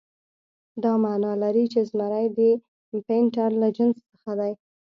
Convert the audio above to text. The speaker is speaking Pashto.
دا معنی لري چې زمری د پینتر له جنس څخه دی.